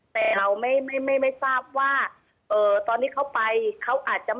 แต่เราไม่ทราบว่าตอนนี้เขาไปเขาอาจจะมาก